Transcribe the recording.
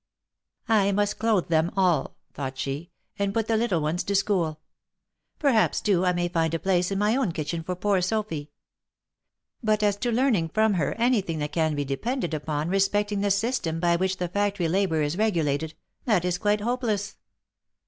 " I must clothe them all," thought she, " and put the little ones to school. Perhaps, too, I may find a place in my own kitchen for poor Sophy. But as to learning from her any thing that can be depended 156 THE LIFE AND ADVENTURES upon respecting the system by which the factory labour is regulated, that is quite hopeless."